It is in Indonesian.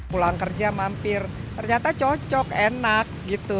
pulang kerja mampir ternyata cocok enak gitu